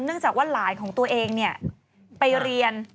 จากว่าหลานของตัวเองไปเรียน